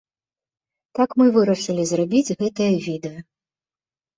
Так мы і вырашылі зрабіць гэтае відэа.